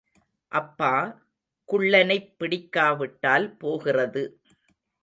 அப்பா, குள்ளனைப் பிடிக்காவிட்டால் போகிறது.